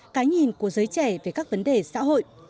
cái nhìn của giới trẻ về các vấn đề xã hội